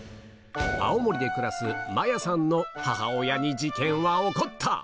青森で暮らす麻耶さんの母親に事件は起こった！